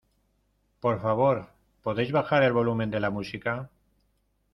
Por favor, ¿podéis bajar el volumen de la música?